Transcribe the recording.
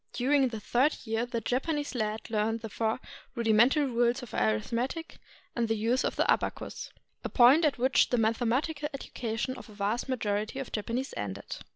During the third year, the Japanese lad learned the four rudimental rules of arithmetic and the use of the abacus, a point at which the mathematical education of the vast majority of Japanese ended.